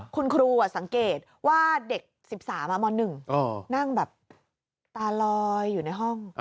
คุณครูสังเกตว่าเด็ก๑๓ม๑นั่งแบบตาลอยอยู่ในห้อง